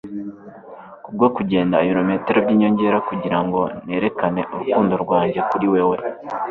kubwo kugenda ibirometero byinyongera kugirango nerekane urukundo rwanjye kuri wewe